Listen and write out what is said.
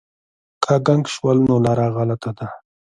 که ګنګس شول نو لاره غلطه ده.